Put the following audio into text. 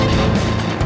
lo sudah bisa berhenti